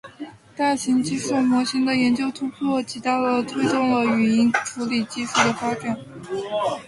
大型基础模型的研究突破，极大地推动了语音处理技术的发展。